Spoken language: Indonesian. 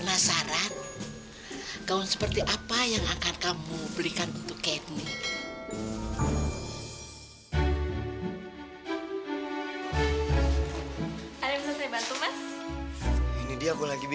rasanya gue pernah di ngalamin kejadian kayak gini